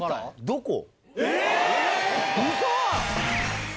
どこ？